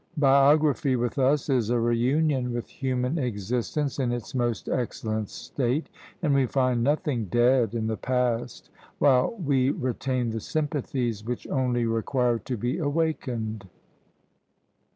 Biography with us is a re union with human existence in its most excellent state! and we find nothing dead in the past, while we retain the sympathies which only require to be awakened.